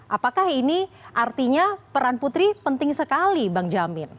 apakah ini artinya peran putri penting sekali bang jamin